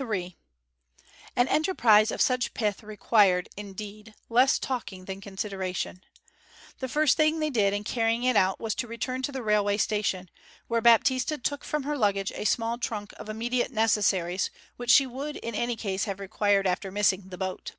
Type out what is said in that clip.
III An enterprise of such pith required, indeed, less talking than consideration. The first thing they did in carrying it out was to return to the railway station, where Baptista took from her luggage a small trunk of immediate necessaries which she would in any case have required after missing the boat.